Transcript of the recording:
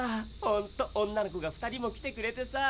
ほんと女の子が２人も来てくれてさぁ。